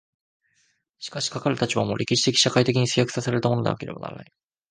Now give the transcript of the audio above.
しかしかかる立場も、歴史的社会的に制約せられたものでなければならない。